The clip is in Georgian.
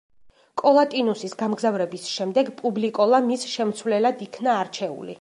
კოლატინუსის გამგზავრების შემდეგ, პუბლიკოლა მის შემცვლელად იქნა არჩეული.